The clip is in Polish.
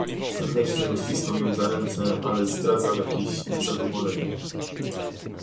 "Serdecznie uścisnął ją za ręce, ale zdradzał jakieś niezadowolenie."